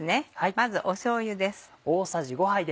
まずしょうゆです。